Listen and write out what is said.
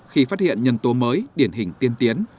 khi phát hiện nhân tố mới điển hình tiên tiến